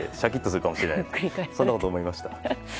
そんなことを思いました。